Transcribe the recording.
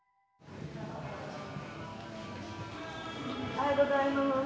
おはようございます。